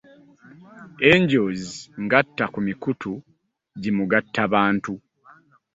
Angels ngatta ku mikutu jimugatta bantu.